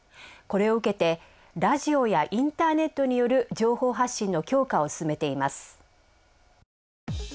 これを受けてラジオやインターネットによる情報発信の強化を進めています。